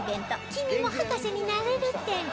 「君も博士になれる展」。